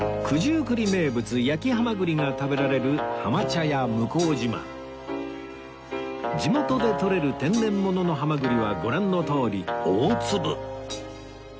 九十九里名物焼きハマグリが食べられる地元でとれる天然もののハマグリはご覧のとおり大粒！